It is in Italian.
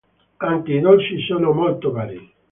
Anche i dolci sono molto vari.